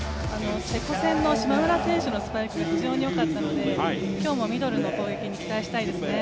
チェコ戦の島村選手のスパイクが非常によかったので今日もミドルの攻撃に期待したいですね。